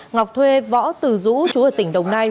ngọc thuê võ từ rũ trú ở tỉnh đồng nai